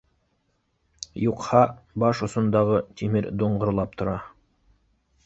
Юҡһа, баш осондағы тимер доңғорлап тора